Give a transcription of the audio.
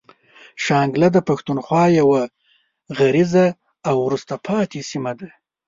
شانګله د پښتونخوا يوه غريزه او وروسته پاتې سيمه ده.